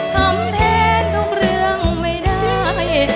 ทำแทนทุกเรื่องไม่ได้